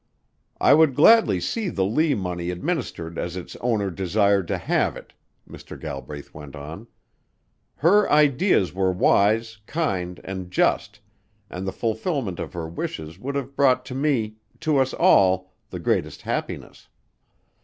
"I would gladly see the Lee money administered as its owner desired to have it," Mr. Galbraith went on. "Her ideas were wise, kind, and just, and the fulfilment of her wishes would have brought to me to us all the greatest happiness.